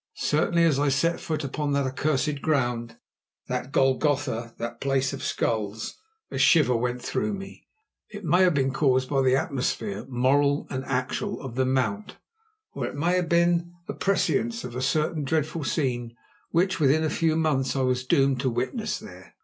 Certainly as I set foot upon that accursed ground, that Golgotha, that Place of Skulls, a shiver went through me. It may have been caused by the atmosphere, moral and actual, of the mount, or it may have been a prescience of a certain dreadful scene which within a few months I was doomed to witness there.